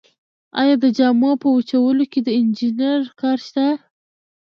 آیا د جامو په جوړولو کې د انجینر کار شته